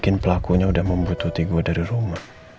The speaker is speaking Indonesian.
mereka membutuhkan gue dari rumah